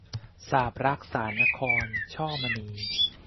สาปรัก สานนคร - ช่อมณี